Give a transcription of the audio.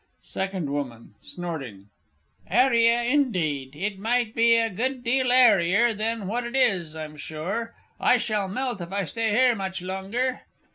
SECOND WOMAN (snorting). Area, indeed! It might be a good deal airier than what it is, I'm sure I shall melt if I stay here much longer.